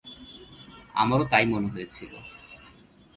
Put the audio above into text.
আমারো তাই মনে হয়েছিল।